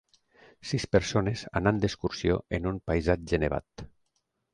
Sis persones anant d'excursió en un paisatge nevat